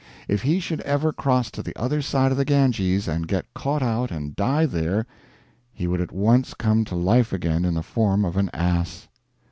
If he should ever cross to the other side of the Ganges and get caught out and die there he would at once come to life again in the form of an ass.